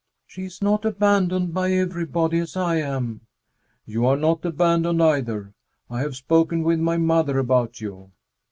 "She is not abandoned by everybody, as I am." "You are not abandoned, either. I have spoken with my mother about you."